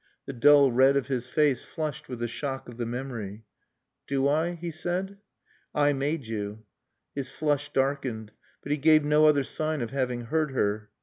The dull red of his face flushed with the shock of the memory. "Do I?" he said. "I made you." His flush darkened. But he gave no other sign of having heard her.